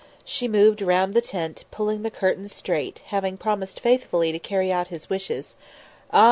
She moved round the tent, pulling the curtains straight, having promised faithfully to carry out his wishes ah!